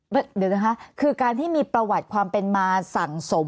เดี๋ยวนะคะคือการที่มีประวัติความเป็นมาสั่งสม